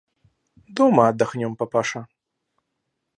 Дома отдохнем, папаша.